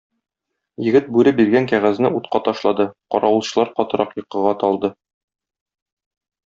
Егет бүре биргән кәгазьне утка ташлады, каравылчылар катырак йокыга талды.